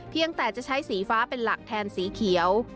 จะใช้สีฟ้าเป็นหลักแทนสีเขียว